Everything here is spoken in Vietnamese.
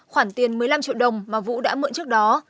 khoản tiền một mươi năm triệu đồng mà vũ đã mượn trước đó